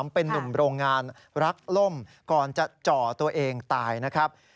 เป็นนุ่มโรงงานรักล่มก่อนจะจ่อตัวเองตายนะครับ